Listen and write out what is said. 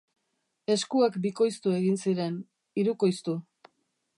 Eskuak bikoiztu egin ziren, hirukoiztu.